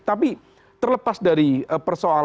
tapi terlepas dari personal problem